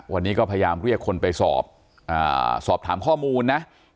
วันนี้ก็พยายามเรียกคนไปสอบสอบถามข้อมูลนะ